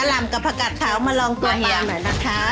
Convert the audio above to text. กะล่ำกับผักกัดขาวมาลองกับปลาหน่อยนะคะ